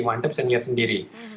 masih bisa melihat sendiri